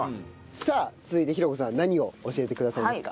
さあ続いて寛子さん何を教えてくださいますか？